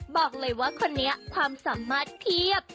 บอกเลยว่าคนนี้ความสามารถเพียบ